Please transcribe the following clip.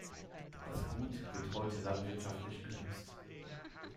Das Gut wird heute landwirtschaftlich genutzt.